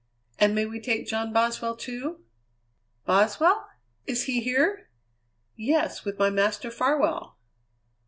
"And may we take John Boswell, too?" "Boswell? Is he here?" "Yes, with my Master Farwell."